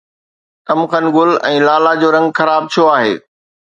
تمکن گل ۽ لالا جو رنگ خراب ڇو آهي؟